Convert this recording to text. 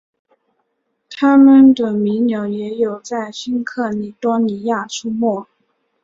它们的迷鸟也有在新喀里多尼亚出没。